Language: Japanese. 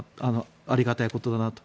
ありがたいことだなと。